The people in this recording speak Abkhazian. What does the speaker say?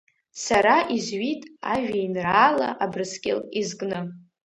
Сара изҩит ажәеинраала Абырскьыл изкны.